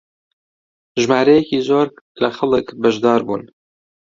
ژمارەیەکی زۆر لە خەڵک بەشدار بوون